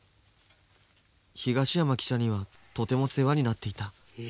東山記者にはとても世話になっていた。